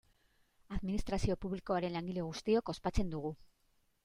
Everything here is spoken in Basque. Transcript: Administrazio publikoaren langile guztiok ospatzen dugu.